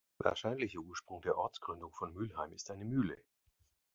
Wahrscheinlicher Ursprung der Ortsgründung von Mülheim ist eine Mühle.